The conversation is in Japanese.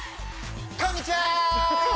こんにちは！